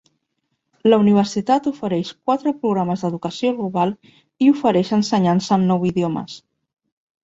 La universitat ofereix quatre programes d'educació global i ofereix ensenyança en nou idiomes.